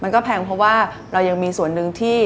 แพงเพราะว่าเรายังมีส่วนหนึ่งที่